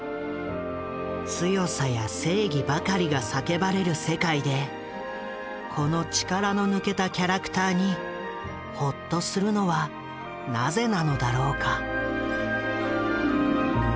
強さや正義ばかりが叫ばれる世界でこの力の抜けたキャラクターにほっとするのはなぜなのだろうか？